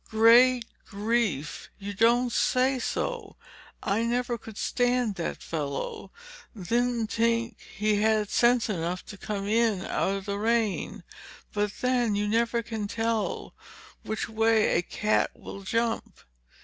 "Great grief! You don't say so! I never could stand that fellow—didn't think he had sense enough to come in out of the rain. But then, you never can tell which way a cat will jump."